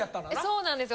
そうなんです。